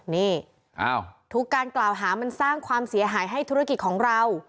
นี่ทุกการกล่าวหามันสร้างความเสียหายให้ธุรกิจของเรา